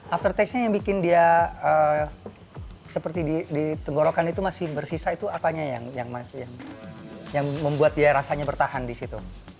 aftertage nya yang bikin dia seperti di tenggorokan itu masih bersisa itu apanya yang membuat dia rasanya bertahan di situ